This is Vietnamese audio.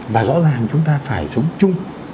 và rõ ràng chúng ta phải sống chung